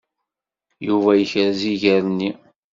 Yuba yekrez iger-nni.